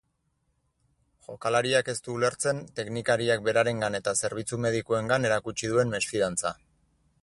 Jokalariak ez du ulertzen teknikariak berarengan eta zerbitzu medikuengan erakutsi duen mesfidantza.